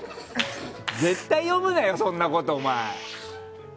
絶対読むなよ、そんなこと！